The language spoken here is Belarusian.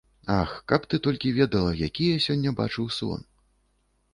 Ах, каб ты толькi ведала, якi я сёння бачыў сон!..